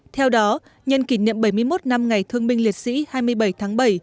theo đó nhân kỷ niệm bảy mươi một năm ngày thương binh liệt sĩ hai mươi bảy tháng bảy